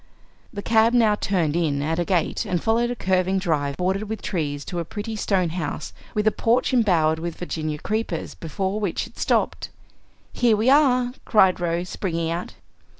The cab now turned in at a gate and followed a curving drive bordered with trees to a pretty stone house with a porch embowered with Virginia creepers, before which it stopped. "Here we are!" cried Rose, springing out.